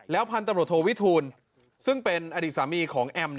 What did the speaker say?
พันธุ์ตำรวจโทวิทูลซึ่งเป็นอดีตสามีของแอม